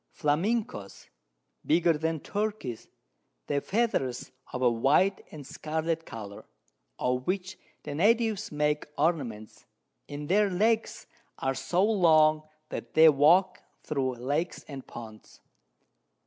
Flamencos, bigger than Turkeys, their Feathers of a white and scarlet Colour, of which the Natives make Ornaments, and their Legs are so long that they walk thro' Lakes and Ponds.